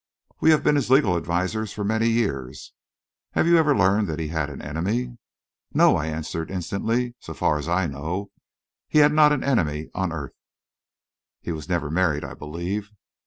"We have been his legal advisers for many years." "Have you ever learned that he had an enemy?" "No," I answered instantly; "so far as I know, he had not an enemy on earth." "He was never married, I believe?"